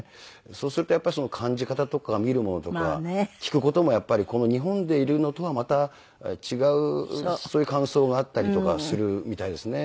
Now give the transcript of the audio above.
そうすると感じ方とか見るものとか聞く事もやっぱりこの日本でいるのとはまた違う感想があったりとかするみたいですね。